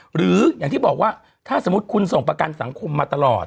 หรืออย่างที่บอกว่าถ้าสมมุติคุณส่งประกันสังคมมาตลอด